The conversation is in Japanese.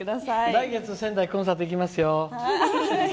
来月コンサート行きますよ。